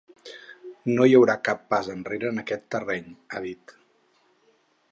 No hi haurà cap pas enrere en aquest terreny, ha dit.